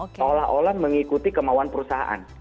seolah olah mengikuti kemauan perusahaan